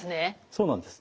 そうなんです。